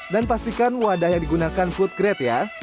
dan pastikan wadah yang digunakan food grade ya